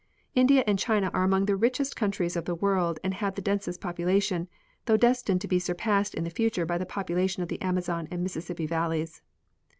India and China are among the richest countries of the world and have the densest population, though destined to be surpassed in the future by the population of the Amazon and Mississippi valleys.